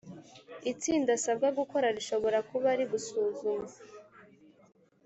itsinda asabwa gukora rishobora kuba rigusuzuma